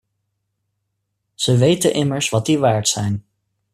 Ze weten immers wat die waard zijn.